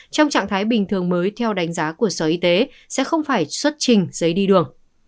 trong trạng thái bình thường mới theo đánh giá của sở y tế sẽ không phải xuất trình giấy đi đường